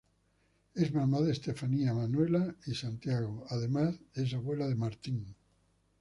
Es mamá de Estefanía, Manuela y Santiago; además es abuela de Martín.